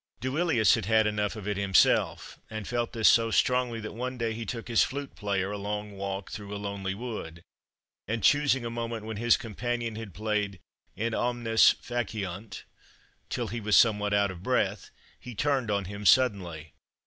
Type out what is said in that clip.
Duilius had had enough of it himself, and felt this so strongly that one day he took his flute player a long walk through a lonely wood, and, choosing a moment when his companion had played "Id omnes faciunt" till he was somewhat out of breath, he turned on him suddenly.